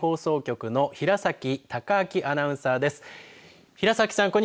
今回は山口放送局の平崎貴昭アナウンサーです。